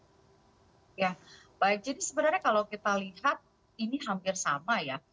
ya baik jadi sebenarnya kalau kita lihat ini hampir sama ya